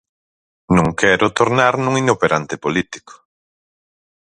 Non quero tornar nun inoperante político.